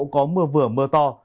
có mưa vừa mưa to